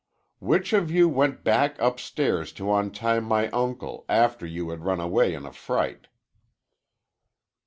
"Which of you went back upstairs to untie my uncle after you had run away in a fright?"